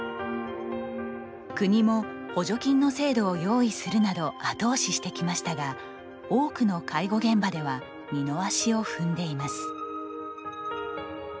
国も補助金の制度を用意するなど後押ししてきましたが多くの介護現場では二の足を踏んでいます。